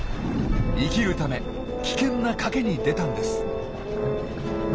生きるため危険な賭けに出たんです。